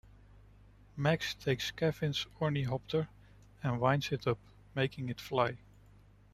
Max takes Kevin's ornithopter and winds it up, making it fly.